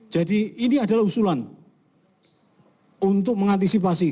jadi ini adalah usulan untuk mengantisipasi